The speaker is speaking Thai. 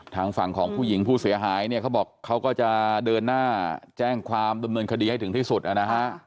ทางฝั่งของผู้หญิงผู้เสียหายเนี่ยเขาบอกเขาก็จะเดินหน้าแจ้งความดำเนินคดีให้ถึงที่สุดนะฮะ